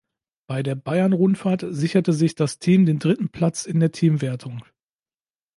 Bei der Bayern-Rundfahrt sicherte sich das Team den dritten Platz in der Teamwertung.